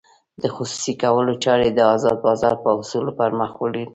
د خصوصي کولو چارې د ازاد بازار په اصولو پرمخ وړل کېږي.